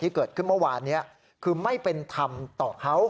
ที่เกิดขึ้นเมื่อวานนี้คือไม่เป็นธรรมต่อเขา